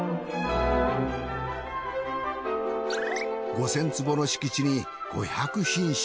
５，０００坪の敷地に５００品種